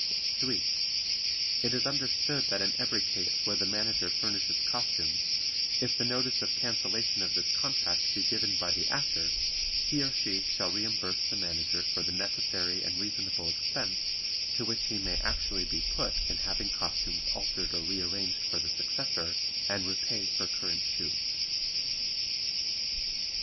(3) It is understood that in every case where the Manager furnishes costumes, if the notice of cancellation of this Contract be given by the Actor, he or she shall reimburse the Manager for the necessary and reasonable expense to which he may actually be put in having costumes altered or rearranged for the successor, and repay for current shoes.